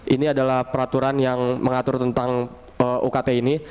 ini adalah peraturan yang mengatur tentang ukt ini